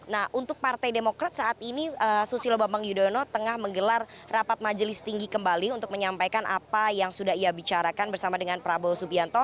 nah untuk partai demokrat saat ini susilo bambang yudhoyono tengah menggelar rapat majelis tinggi kembali untuk menyampaikan apa yang sudah ia bicarakan bersama dengan prabowo subianto